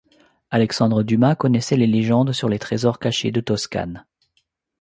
Alexandre Dumas connaissait les légendes sur les trésors cachés de Toscane.